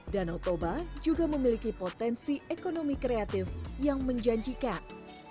danotoba juga memiliki potensi ekonomi kreatif yang menjanjikan